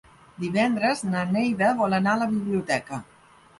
Divendres na Neida vol anar a la biblioteca.